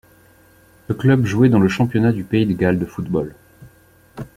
Le club jouait dans le Championnat du pays de Galles de football.